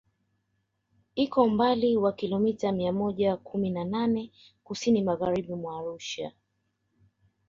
Iko umbali wa kilomita mia moja kumi na nane Kusini Magharibi mwa Arusha